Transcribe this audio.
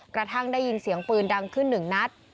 กระทั่งได้ยินเสียงปืนดังขึ้นหนึ่งนัด